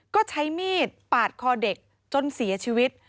ก็ใช้มีดปาดคอเด็กจนเสียชีวิต